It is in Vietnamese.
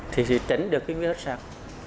thì chỉ tránh được cái nguyên hất sặc